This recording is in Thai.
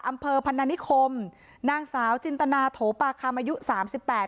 อำเภอพันนานิคมนางสาวจินตนาโถปาคำอายุสามสิบแปด